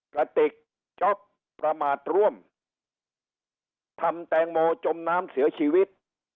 กระติกจ๊อปประมาทร่วมทำแตงโมจมน้ำเสียชีวิต